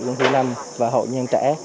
công ty nam và hội nhân trẻ